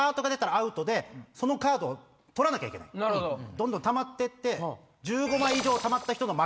どんどん溜まってって。